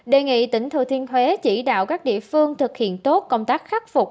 đề nghị tỉnh thừa thiên huế chỉ đạo các địa phương thực hiện tốt công tác khắc phục